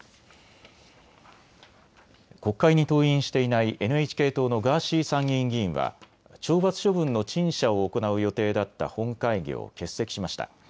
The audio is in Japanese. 国会に登院していないＮＨＫ党のガーシー参議院議員は懲罰処分の陳謝を行う予定だった本会議を欠席しました。